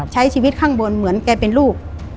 ใช้ชีวิตข้างบนเหมือนแกเป็นลูก